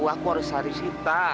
aku harus cari sita